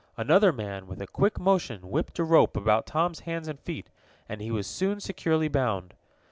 Another man, with a quick motion, whipped a rope about Tom's hands and feet, and he was soon securely bound.